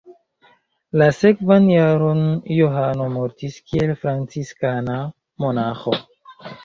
La sekvan jaron Johano mortis kiel franciskana monaĥo.